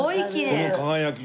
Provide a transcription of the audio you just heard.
この輝き！